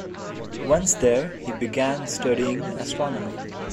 Once there he began studying astronomy.